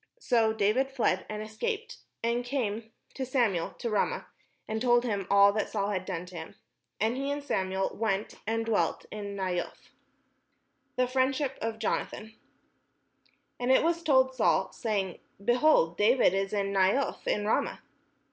So David fled, and escaped, and came to Samuel to Ramah, and told him all that Saul had done to him. And he and Samuel went and dwelt in Naioth. THE FRIENDSHIP OF JONATHAN And it was told Saul, saying, "Behold, David is at Naioth in Ramah."